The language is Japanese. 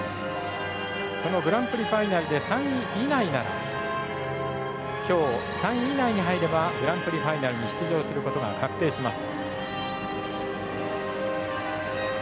そのグランプリファイナルで３位以内なら今日３位以内に入ればグランプリファイナルに出場することが確定します。